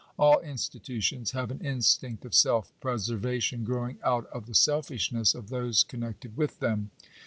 All institutions have an instinct of self preservation growing out of the selfishness of those connected with them.